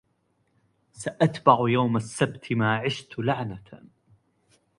سأتبع يوم السبت ما عشت لعنة